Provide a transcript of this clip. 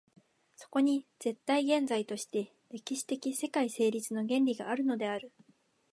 そこに絶対現在として歴史的世界成立の原理があるのである。